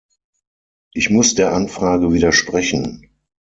Ich muss der Anfrage widersprechen.